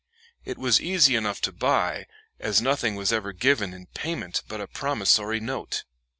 It was easy enough to buy, as nothing was ever given in payment but a promissory note.